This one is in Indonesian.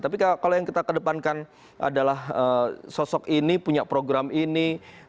tapi kalau yang kita kedepankan adalah sosok ini punya program ini